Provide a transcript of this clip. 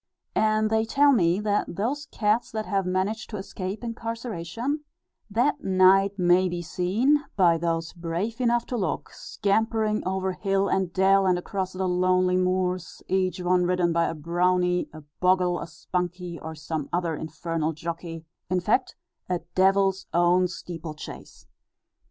And they tell me, that those cats that have managed to escape incarceration, that night may be seen, by those brave enough to look, scampering over hill and dell, and across the lonely moors, each one ridden by a brownie, a bogle, a spunkie, or some other infernal jockey, in fact, a devil's own steeplechase.